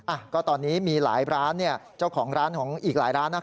อ่ะก็ตอนนี้มีหลายร้านเนี่ยเจ้าของร้านของอีกหลายร้านนะ